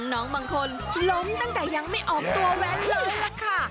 น้องบางคนล้มตั้งแต่ยังไม่ออกตัวแว้นลมล่ะค่ะ